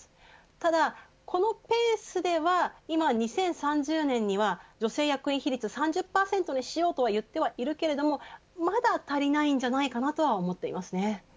ただ、このペースでは今、２０３０年には女性役員比率３０％にしようとは言ってはいるけれどもまだ足りないんじゃないかなとは思っていますね。